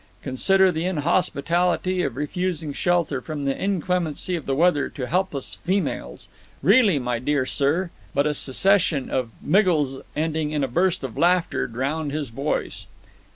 "Consider the inhospitality of refusing shelter from the inclemency of the weather to helpless females. Really, my dear sir " But a succession of "Miggles," ending in a burst of laughter, drowned his voice.